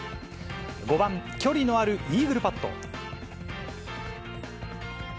５番、距離のあるイーグルパット。